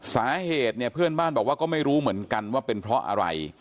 สาเหตุเนี่ยเพื่อนบ้านบอกว่าก็ไม่รู้เหมือนกันว่าเป็นเพราะอะไร